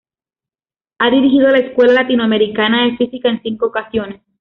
Ha dirigido la Escuela Latinoamericana de Física en cinco ocasiones.